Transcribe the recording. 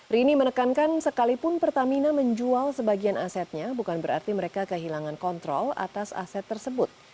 rini menekankan sekalipun pertamina menjual sebagian asetnya bukan berarti mereka kehilangan kontrol atas aset tersebut